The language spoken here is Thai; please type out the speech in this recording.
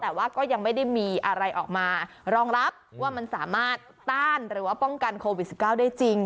แต่ว่าก็ยังไม่ได้มีอะไรออกมารองรับว่ามันสามารถต้านหรือว่าป้องกันโควิด๑๙ได้จริง